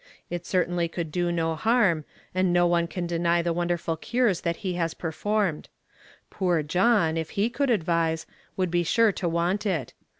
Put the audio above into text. It certainly could do no harm, and no one can deny the wonderful cures that he lias performed. Poor John, if he could advise, would be sure to want it.